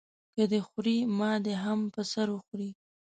که دی خوري ما دې هم په سر وخوري.